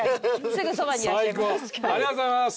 最高ありがとうございます。